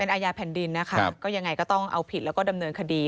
อาญาแผ่นดินนะคะก็ยังไงก็ต้องเอาผิดแล้วก็ดำเนินคดี